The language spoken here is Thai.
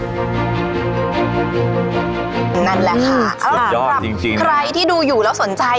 ใครที่ต้องอยู่แล้วสนใจ